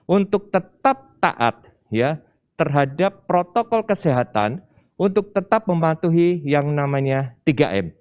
untuk tetap taat terhadap protokol kesehatan untuk tetap mematuhi yang namanya tiga m